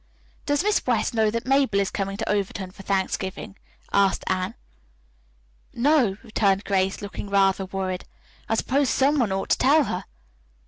"Does Miss West know that Mabel is coming to Overton for Thanksgiving?" asked Anne. "No," returned Grace, looking rather worried. "I suppose some one ought to tell her."